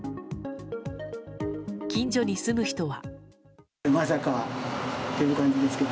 近所に住む人は。